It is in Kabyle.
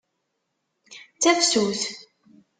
D tafsut.